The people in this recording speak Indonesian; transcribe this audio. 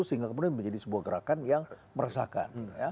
sehingga kemudian menjadi sebuah gerakan yang meresahkan